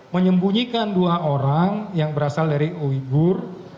menyembunyikan dua orang yang berasal dari uigur yang mereka ini tercatat sebagai teroris